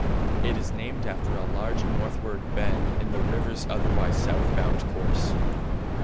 It is named after a large northward bend in the river's otherwise southbound course.